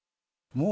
もう、